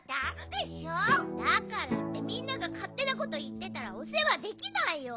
だからってみんながかってなこといってたらおせわできないよ。